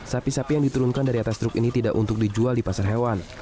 sapi sapi yang diturunkan dari atas truk ini tidak untuk dijual di pasar hewan